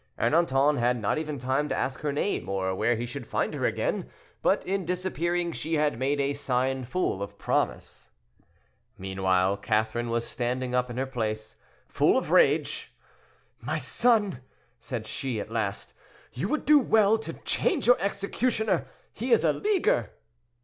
Ernanton had not even time to ask her name, or where he should find her again; but in disappearing she had made a sign full of promise. Meanwhile, Catherine was standing up in her place, full of rage. "My son," said she, at last, "you would do well to change your executioner; he is a leaguer."